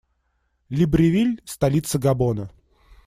Либревиль - столица Габона.